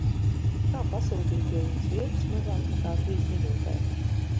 Kā pasūtīt pie jums riepas mazāk nekā trīs minūtēs?